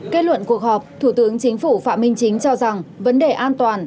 kết luận cuộc họp thủ tướng chính phủ phạm minh chính cho rằng vấn đề an toàn